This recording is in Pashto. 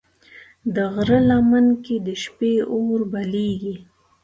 د غره لمن کې د شپې اور بلېږي.